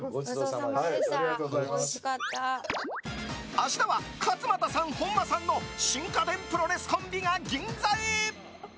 明日は勝俣さん、本間さんの新家電プロレスコンビが銀座へ。